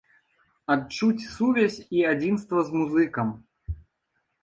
Адчуць сувязь і адзінства з музыкам.